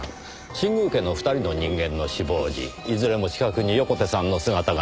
新宮家の２人の人間の死亡時いずれも近くに横手さんの姿があります。